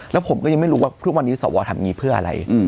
แล้วผมก็ยังไม่รู้ว่าทุกวันนี้สวทำอย่างนี้เพื่ออะไร